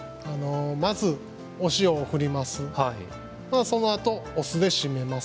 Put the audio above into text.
まずお塩をふります。